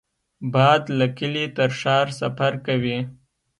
باد له کلي تر ښار سفر کوي